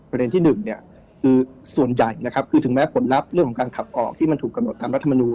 ประเด็นที่๑คือส่วนใหญ่ถึงแม้ผลลัพธ์เรื่องของการขับออกที่มันถูกกำหนดตามรัฐมนู